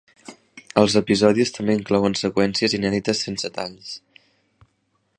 Els episodis també inclouen seqüències inèdites sense talls.